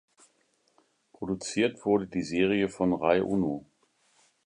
Produziert wurde die Serie von Rai Uno.